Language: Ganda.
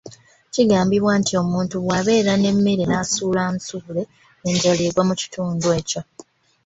Kigambibwa nti omuntu bw'abeera n'emmere n'asuula nsuule, enjala egwa mu kitundu ekyo.